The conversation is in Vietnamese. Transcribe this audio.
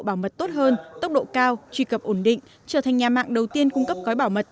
bảo mật tốt hơn tốc độ cao truy cập ổn định trở thành nhà mạng đầu tiên cung cấp gói bảo mật